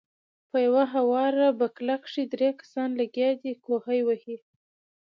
پۀ يوه هواره بګله کښې درې کسان لګيا دي کوهے وهي